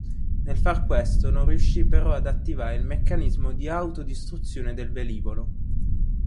Nel far questo non riuscì però ad attivare il meccanismo di autodistruzione del velivolo.